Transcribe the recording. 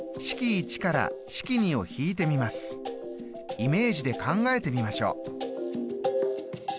イメージで考えてみましょう。